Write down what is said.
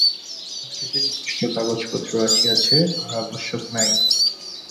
ভারত হইতে যথেষ্ট কাগজপত্র আসিয়াছে, আর আবশ্যক নাই।